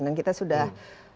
dan kita sudah